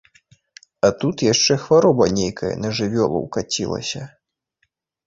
А тут яшчэ хвароба нейкая на жывёлу ўкацілася.